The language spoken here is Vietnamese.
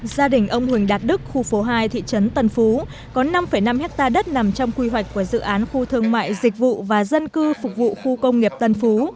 gia đình ông huỳnh đạt đức khu phố hai thị trấn tân phú có năm năm hectare đất nằm trong quy hoạch của dự án khu thương mại dịch vụ và dân cư phục vụ khu công nghiệp tân phú